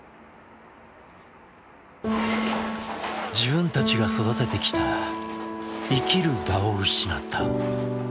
自分たちが育ててきた生きる場を失った。